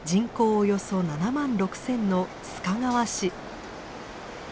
およそ７万６，０００の須賀川市。